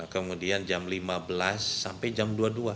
kemudian jam lima belas sampai jam dua puluh dua